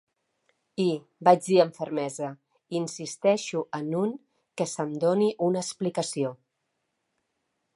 I –vaig dir amb fermesa– "insisteixo en un que se'm doni una explicació.